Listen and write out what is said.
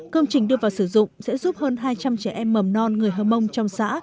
công trình đưa vào sử dụng sẽ giúp hơn hai trăm linh trẻ em mầm non người hơ mông trong xã